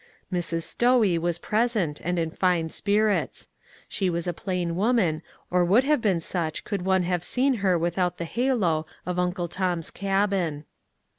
Mrs. Stowe was present and in fine spirits. She was a plain woman, or would have been such could one have seen her without the halo of "Uncle Tom's Cabin."